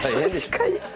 確かに。